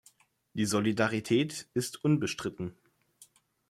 Die Solidarität ist unbestritten.